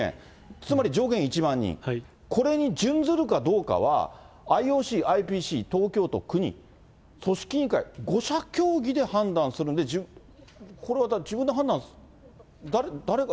つまり上限１万人、これに準ずるかどうかは、ＩＯＣ、ＩＰＣ、東京都、国、組織委員会、５者協議で判断するんで、これは自分で判断、誰が？